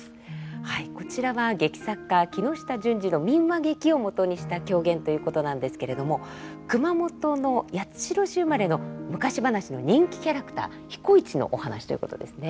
こちらは劇作家木下順二の民話劇をもとにした狂言ということなんですけれども熊本の八代市生まれの昔話の人気キャラクター彦市のお話ということですね。